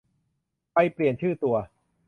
ใบเปลี่ยนชื่อตัว